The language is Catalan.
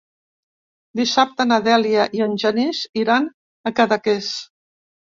Dissabte na Dèlia i en Genís iran a Cadaqués.